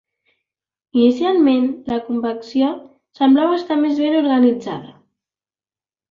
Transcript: Inicialment la convecció semblava estar més ben organitzada.